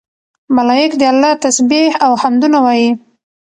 ملائک د الله تسبيح او حمدونه وايي